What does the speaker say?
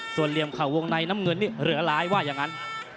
ส่วนเหลี่ยมเข่าวงในน้ำเงินนี่เหลือร้ายว่าอย่างนั้น